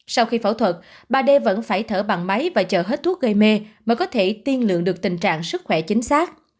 sau khi phẫu thuật bà đê vẫn phải thở bằng máy và chờ hết thuốc gây mê mới có thể tiên lượng được tình trạng sức khỏe chính xác